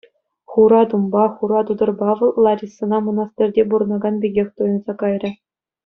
Хура тумпа, хура тутӑрпа вӑл Ларисӑна мӑнастирте пурӑнакан пекех туйӑнса кайрӗ.